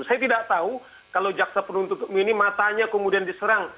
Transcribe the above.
saya tidak tahu kalau jaksa penuntut umum ini matanya kemudian diserang